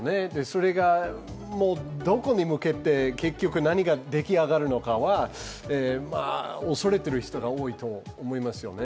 それが、どこに向けて、結局何が出来上がるのかは恐れている人が多いと思いますよね。